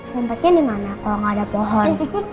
lompatnya dimana kalau gak ada pohon